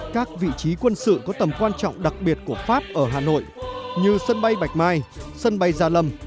các vị trí quân sự có tầm quan trọng đặc biệt của pháp ở hà nội như sân bay bạch mai sân bay gia lâm